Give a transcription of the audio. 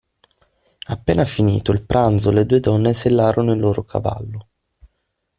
Appena finito il pranzo le due donne sellarono il loro cavallo.